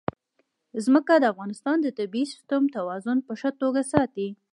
ځمکه د افغانستان د طبعي سیسټم توازن په ښه توګه ساتي.